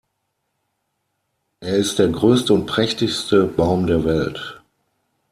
Er ist der größte und prächtigste Baum der Welt.